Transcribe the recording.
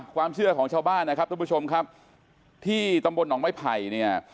ความเชื่อของชาวบ้านนะครับทุกผู้ชมครับที่ตำบลหนองไม้ไผ่เนี่ย